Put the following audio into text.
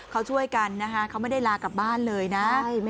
เขาช่วยกันนะคะเขาไม่ได้ลากลับบ้านเลยนะ